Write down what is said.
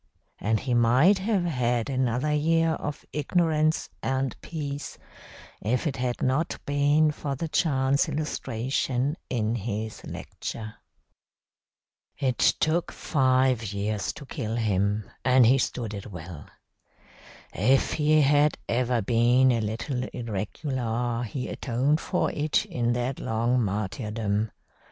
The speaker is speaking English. And he might have had another year of ignorance and peace if it had not been for the chance illustration in his lecture. "It took five years to kill him, and he stood it well. If he had ever been a little irregular he atoned for it in that long martyrdom.